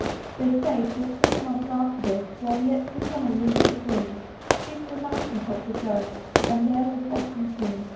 They say, full six months after this, While yet the summer leaves were green, She to the mountain top would go, And there was often seen.